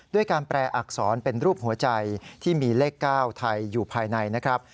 ด้วยการแปลอักษรเป็นรูปหัวใจที่มีเลข๙ไทยอยู่ภายในนะครับ